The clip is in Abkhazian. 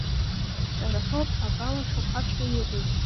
Сара соуп акалашәақәацәҟьа иҟоу.